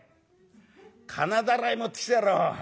「金だらい持ってきてやろう。